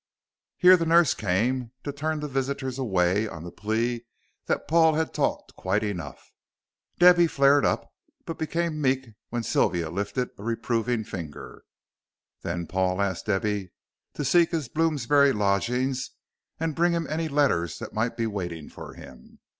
Here the nurse came to turn the visitors away on the plea that Paul had talked quite enough. Debby flared up, but became meek when Sylvia lifted a reproving finger. Then Paul asked Debby to seek his Bloomsbury lodgings and bring to him any letters that might be waiting for him.